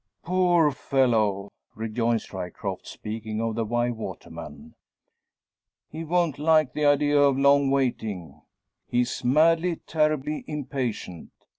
"Poor fellow!" rejoins Ryecroft, speaking of the Wye waterman, "he won't like the idea of long waiting. He's madly, terribly impatient.